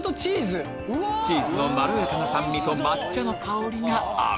チーズのまろやかな酸味と抹茶の香りが合う！